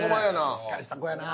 しっかりした子やな。